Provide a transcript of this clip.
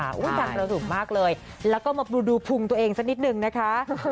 ดังประดุกมากเลยแล้วก็มาดูพุงตัวเองสักนิดนึงนะคะ